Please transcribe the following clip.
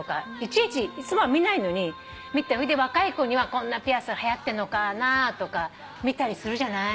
いつもは見ないのに見て若い子にはこんなピアスはやってんのかな？とか見たりするじゃない。